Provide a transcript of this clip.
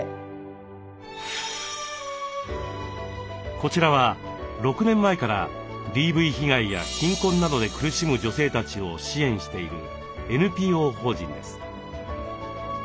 こちらは６年前からＤＶ被害や貧困などで苦しむ女性たちを支援しているＮＰＯ法人です。